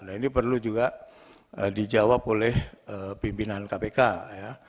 nah ini perlu juga dijawab oleh pimpinan kpk ya